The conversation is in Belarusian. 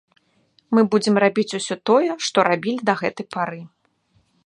Мы будзем рабіць усё тое, што рабілі да гэтай пары.